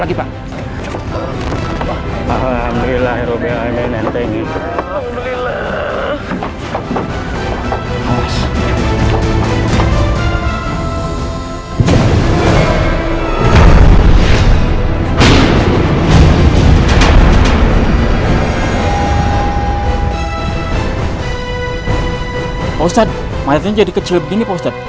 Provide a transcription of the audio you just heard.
bapak ustadz mayatnya jadi kecil begini bapak ustadz